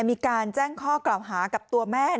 มีการแจ้งข้อกล่าวหากับตัวแม่